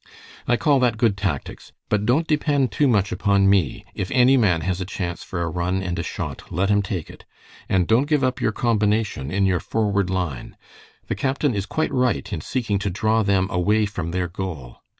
"I call that good tactics. But don't depend too much upon me; if any man has a chance for a run and a shot, let him take it. And don't give up your combination in your forward line. The captain is quite right in seeking to draw them away from their goal.